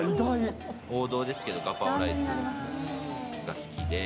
王道ですけど、ガパオライスが好きで。